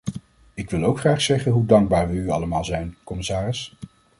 Ik wil ook graag zeggen hoe dankbaar we u allemaal zijn, commissaris.